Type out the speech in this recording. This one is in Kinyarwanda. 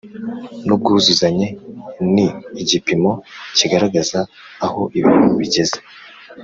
n ubwuzuzanye Ni igipimo kigaragaza aho ibintu bigeze